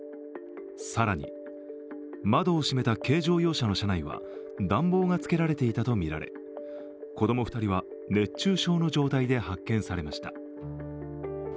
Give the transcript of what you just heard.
更に窓を閉めた軽乗用車の車内は暖房がつけられていたとみられ子供２人は熱中症の状態で発見されました。